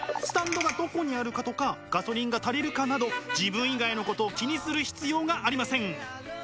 スタンドがどこにあるかとかガソリンが足りるかなど自分以外のことを気にする必要がありません。